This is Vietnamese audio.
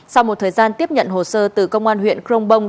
sau một thời gian tiếp nhận hồ sơ từ công an huyện crong bông